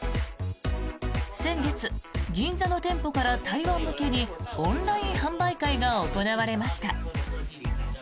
先月、銀座の店舗から台湾向けにオンライン販売会が行われました。